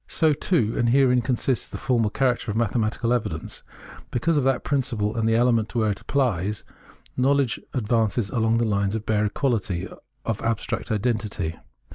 So, too — and herein consists the formal character of mathematical evidence — because of that principle and the element where it appHes, knowledge advances along the hues of bare equality, of abstract identity.